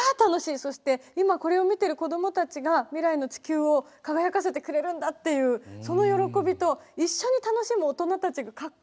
そして今これを見ているこどもたちが未来の地球を輝かせてくれるんだっていうその喜びと一緒に楽しむ大人たちがかっこいいですね。